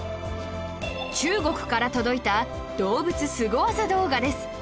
中国から届いた動物スゴ技動画です